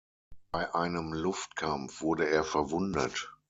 Bei einem Luftkampf wurde er verwundet.